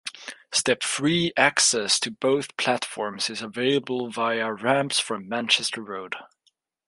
Step-free access to both platforms is available via ramps from Manchester Road.